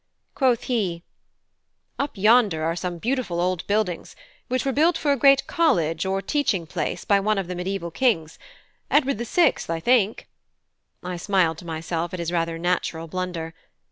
Quoth he: "Up yonder are some beautiful old buildings, which were built for a great college or teaching place by one of the mediaeval kings Edward the Sixth, I think" (I smiled to myself at his rather natural blunder).